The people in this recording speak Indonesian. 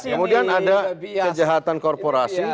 kemudian ada kejahatan korporasi